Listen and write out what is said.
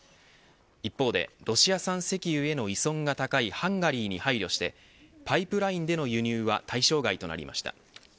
一方でロシア産石油への依存が高いハンガリーに配慮してパイプラインでの輸入は対象外となりました。